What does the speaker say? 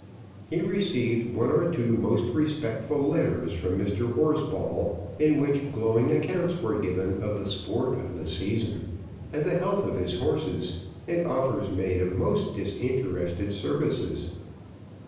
He received one or two most respectful letters from Mr. Horsball, in which glowing accounts were given of the sport of the season, and the health of his horses, and offers made of most disinterested services.